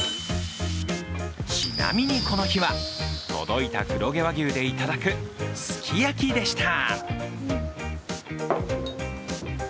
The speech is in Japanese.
ちなみに、この日は届いた黒毛和牛でいただくすき焼きでした。